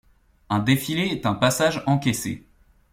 Un défilé est un passage encaissé.